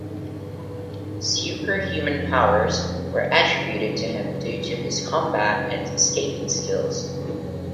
Superhuman powers were attributed to him due to his combat and escaping skills.